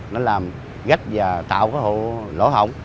nó làm gách và tạo cái hộ lỗ hỏng